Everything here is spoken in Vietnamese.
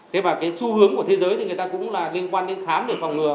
thế và cái xu hướng của thế giới thì người ta cũng là liên quan đến khám để phòng ngừa